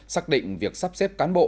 xác định việc sắp xếp cán bộ